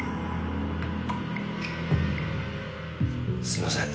すいません。